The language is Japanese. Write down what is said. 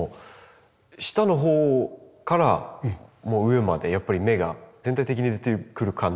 下の方から上までやっぱり芽が全体的に出てくる感じですか？